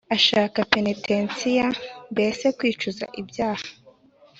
ashaka penetensiya, mbese kwicuza ibyaha.